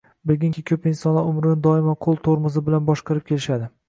Bilginki, ko‘p insonlar umrini doimo qo‘l tormozi bilan boshqarib kelishadi